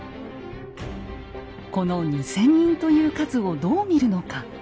この２，０００人という数をどう見るのか。